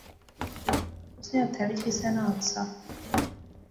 اس نے ہتھے وچ کسے نا ہتھ سا